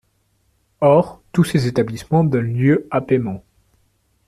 Or tous ces établissements donnent lieu à paiement.